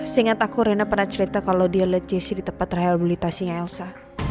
seingat aku reina pernah cerita kalau dia lihat jessy di tempat rehabilitasi nga elsa